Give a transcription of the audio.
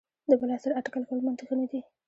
د بل عصر اټکل کول منطقي نه دي.